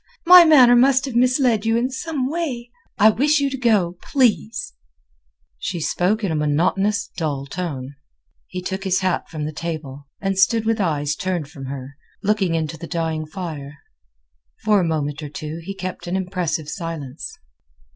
My manner must have misled you in some way. I wish you to go, please." She spoke in a monotonous, dull tone. He took his hat from the table, and stood with eyes turned from her, looking into the dying fire. For a moment or two he kept an impressive silence.